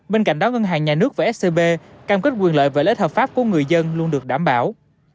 bên cạnh đó ngân hàng nhà nước và scb cam kết quyền lợi và lợi ích hợp pháp của người dân luôn được đảm bảo